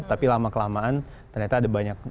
tapi lama kelamaan ternyata ada banyak